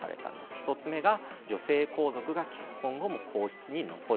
１つ目が女性皇族が結婚後も皇室に残る。